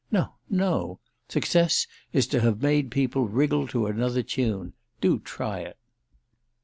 No, no; success is to have made people wriggle to another tune. Do try it!"